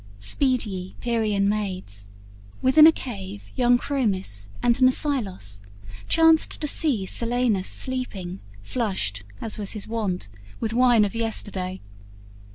Speed ye, Pierian Maids! Within a cave Young Chromis and Mnasyllos chanced to see Silenus sleeping, flushed, as was his wont, With wine of yesterday.